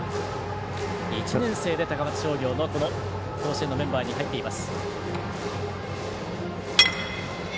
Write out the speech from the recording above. １年生で高松商業のこの甲子園のメンバーに入っています。